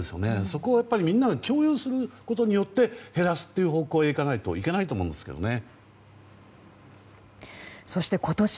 そこをみんなで共有することで減らすという方向へ行かないといけないと思うんですよね。